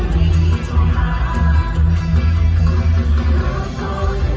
มันจอดโอ้โอ้โอ้ย